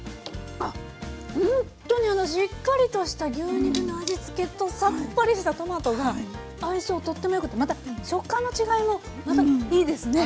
ほんとにあのしっかりとした牛肉の味付けとさっぱりしたトマトが相性とってもよくてまた食感の違いもいいですね。